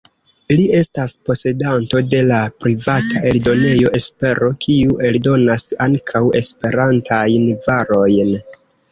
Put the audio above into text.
Li estas posedanto de la privata eldonejo Espero, kiu eldonas ankaŭ Esperantajn varojn.